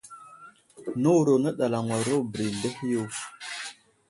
Nəwuro nəɗalaŋwaro bəra i aseh yo.